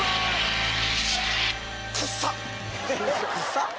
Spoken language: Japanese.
臭っ！